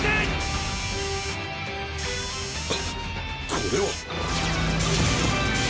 これは！